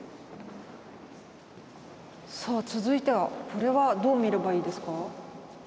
さあ続いてはこれはどう見ればいいですか？